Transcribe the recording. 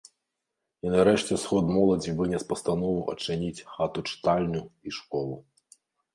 І нарэшце сход моладзі вынес пастанову адчыніць хату-чытальню і школу.